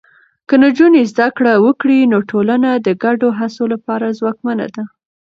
که نجونې زده کړه وکړي، نو ټولنه د ګډو هڅو لپاره ځواکمنه ده.